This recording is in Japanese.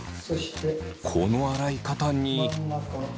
この洗い方に。